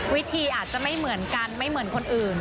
วิธีอาจจะไม่เหมือนกันไม่เหมือนคนอื่น